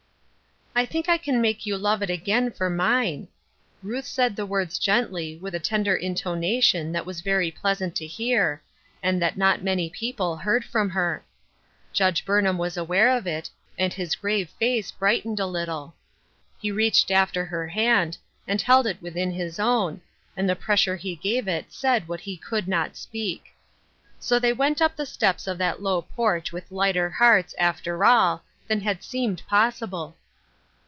" I think I can make you love it again for mine." Ruth said the words gently, with a ten der intonation that was very pleasant to hear, and that not many people heard from her. Judge Burnham was aware of it, and his grave face brightened a little. He reached after her hand, and held it within his own, and the pres sure he gave it said what he could not speak. So they went up the steps of that low porch with lighter hearts, after all, than had seemed possible.